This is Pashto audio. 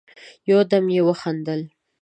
يودم يې وخندل: